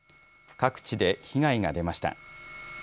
各地で被害が出ました。